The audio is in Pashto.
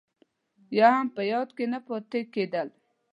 يا هم په ياد کې نه پاتې کېدل.